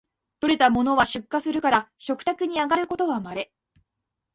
採れたものは出荷するから食卓にあがることはまれ